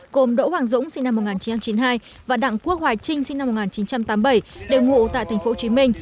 gồm đỗ hoàng dũng sinh năm một nghìn chín trăm chín mươi hai và đặng quốc hoài trinh sinh năm một nghìn chín trăm tám mươi bảy đều ngụ tại thành phố hồ chí minh